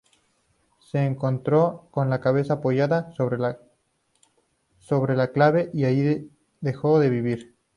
Se encontró con la cabeza apoyada sobre su clave y allí dejó de vivir.